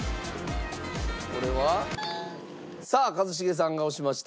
これはさあ一茂さんが押しました。